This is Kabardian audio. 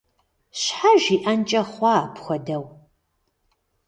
Щхьэ жиӀэнкӀэ хъуа апхуэдэу?